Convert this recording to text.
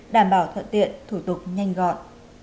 đảm bảo thuận lợi của công dân